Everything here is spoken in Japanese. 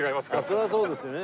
それはそうですよね。